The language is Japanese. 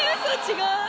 違う？